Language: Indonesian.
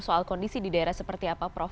soal kondisi di daerah seperti apa prof